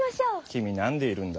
君何でいるんだ。